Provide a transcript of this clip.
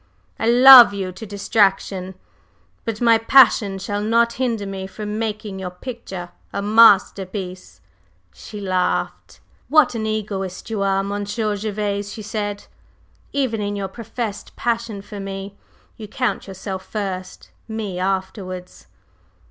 I love you to distraction; but my passion shall not hinder me from making your picture a masterpiece." She laughed. "What an egoist you are, Monsieur Gervase!" she said. "Even in your professed passion for me you count yourself first, me afterwards!"